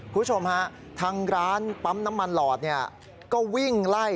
คุณผู้ชมฮะทางร้านปั๊มน้ำมันหลอดเนี่ยก็วิ่งไล่